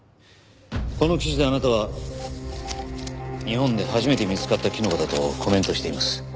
この記事であなたは日本で初めて見つかったキノコだとコメントしています。